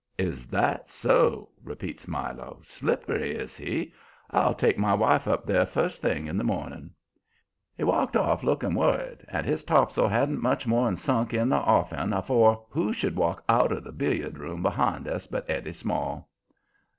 "Is that so?" repeats Milo. "Slippery, is he? I'll take my wife up there first thing in the morning." He walked off looking worried, and his tops'ls hadn't much more'n sunk in the offing afore who should walk out of the billiard room behind us but Eddie Small.